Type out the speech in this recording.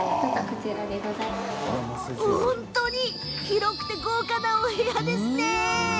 広くて豪華なお部屋ですね。